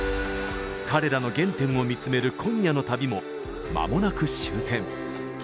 彼らの原点を見つめる今夜の旅も、まもなく終点。